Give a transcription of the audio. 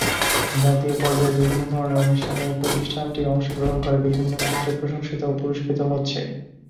জাতীয় পর্যায়ের বিভিন্ন ধরনের অনুষ্ঠানে প্রতিষ্ঠানটি অংশ গ্রহণ করে বিভিন্ন ক্ষেত্রে প্রশংসিত ও পুরস্কৃত হচ্ছে।